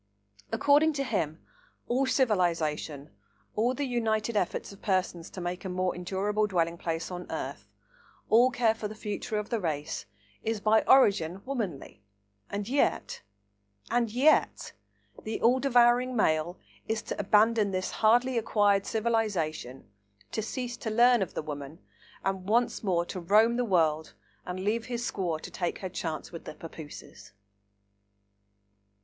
According to him, all civilisation, all the united efforts of persons to make a more endurable dwelling place on earth, all care for the future of the race, is by origin womanly, and yet—and yet—the all devouring male is to abandon this hardly acquired civilisation, to cease to learn of the woman, and once more to roam the world and leave his squaw to take her chance with the papooses!